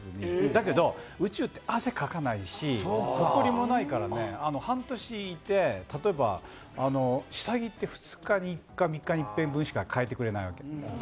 だけど、宇宙って汗かかないし、埃もないからね、半年いて、例えば下着で２日か３日に１回分しかかえてくれないわけ。